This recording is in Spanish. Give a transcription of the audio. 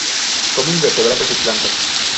Come invertebrados y plantas.